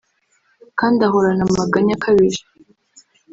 kandi ahorana amaganya akabije